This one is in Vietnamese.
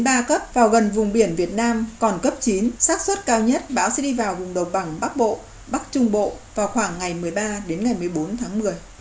bão cấp vào gần vùng biển việt nam còn cấp chín sát xuất cao nhất bão sẽ đi vào vùng đầu bằng bắc bộ bắc trung bộ vào khoảng ngày một mươi ba đến ngày một mươi bốn tháng một mươi